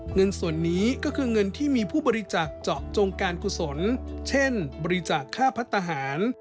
เงินส่วนนี้ก็คือเงินที่มีผู้บริจาคเจาะจงการกุศลเช่นบริจาคค่าพัฒนาหาร